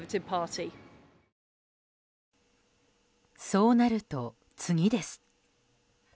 そうなると、次です。